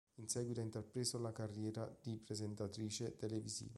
In seguito ha intrapreso la carriera di presentatrice televisiva.